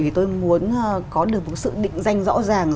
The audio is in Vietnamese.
thì tôi muốn có được một sự định danh rõ ràng